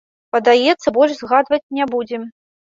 Падаецца, больш згадваць не будзем.